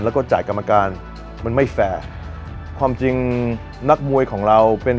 แล้วก็จ่ายกรรมการมันไม่แฟร์ความจริงนักมวยของเราเป็น